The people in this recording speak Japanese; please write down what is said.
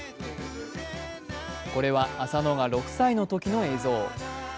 これは浅野が６歳のときの映像。